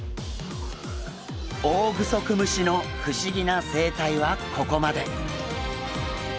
オオグソクムシの不思議な生態はここまで。